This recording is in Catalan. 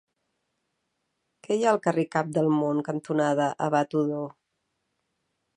Què hi ha al carrer Cap del Món cantonada Abat Odó?